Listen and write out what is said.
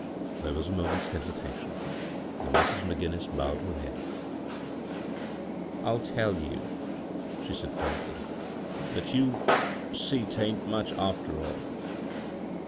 There was a moment's hesitation, then Mrs. McGinnis bowed her head. " I'll tell you," she said faindy ;" but you'll see 'tain't much, after all.